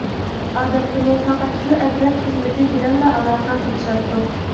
ئادەتتىمۇ پەقەت شۇ ئەترەت خىزمىتى بىلەنلا ئالاقە قىلىشاتتۇق.